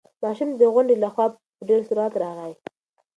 ماشوم د غونډۍ له خوا په ډېر سرعت راغی.